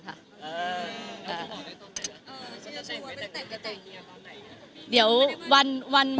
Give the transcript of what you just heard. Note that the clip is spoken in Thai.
ปรับรับโชค